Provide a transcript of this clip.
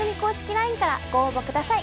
ＬＩＮＥからご応募ください。